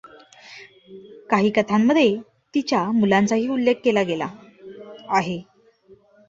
काही कथांमध्ये तिच्या मुलांचाही उल्लेख केला गेला आहे.